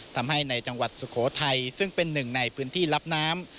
ทำให้ในจังหวัดสุโขทัยซึ่งเป็นหนึ่งในพื้นที่รับน้ำ